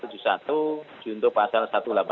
juntuh pasal satu ratus delapan puluh